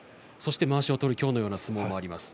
まわしを取る、今日のような相撲もあります。